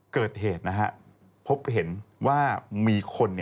เกิดเหตุนะฮะพบเห็นว่ามีคน